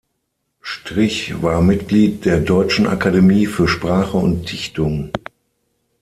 Strich war Mitglied der Deutschen Akademie für Sprache und Dichtung.